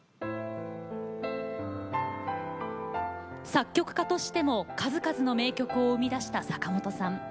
作曲家としても数々の名曲を生み出した坂本さん。